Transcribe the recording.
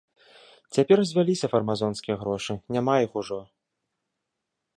Цяпер звяліся фармазонскія грошы, няма іх ужо.